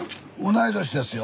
同い年ですよ。